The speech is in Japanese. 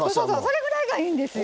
それぐらいがいいんですよ。